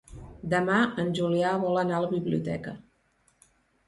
Demà en Julià vol anar a la biblioteca.